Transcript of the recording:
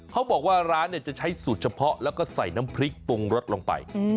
เขาบอกว่าร้านจะใช้สูตรเฉพาะแล้วก็ใส่น้ำพริกปรุงรสลงไป